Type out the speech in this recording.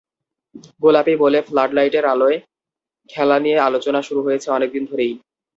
গোলাপি বলে ফ্লাডলাইটের আলোয় খেলা নিয়ে আলোচনা শুরু হয়েছে অনেক দিন ধরেই।